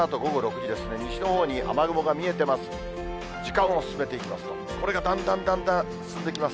時間を進めていきますと、これがだんだんだんだん進んできます。